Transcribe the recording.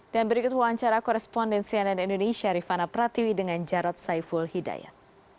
dan berikut wawancara korespondensi ann indonesia rifana pratwi dengan jarod saiful hidayat